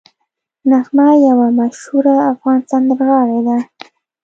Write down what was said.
نغمه یوه مشهوره افغان سندرغاړې ده